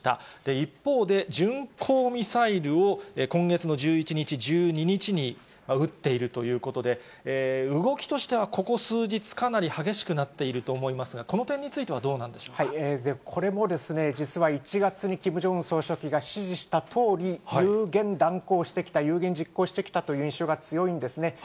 一方で、巡航ミサイルを今月の１１日、１２日に打っているということで、動きとしてはここ数日、かなり激しくなっていると思いますが、この点についてはどうなんでしょこれも実は、１月にキム・ジョンウン総書記が指示したとおり、有言断行してきた、有言実行してきたという印象が強いんですね。